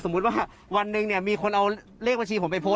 สมมติว่าวันหนึ่งมีคนเอาเลขบัญชีผมไปโพสต์